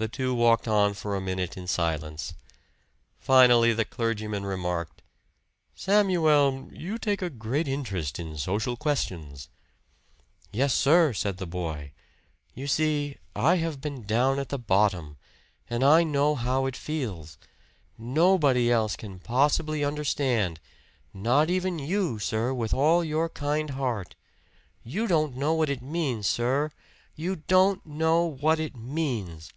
The two walked on for a minute in silence. Finally, the clergyman remarked, "Samuel, you take a great interest in social questions." "Yes, sir," said the boy. "You see, I have been down at the bottom, and I know how it feels. Nobody else can possibly understand not even you, sir, with all your kind heart. You don't know what it means, sir you don't know what it means!"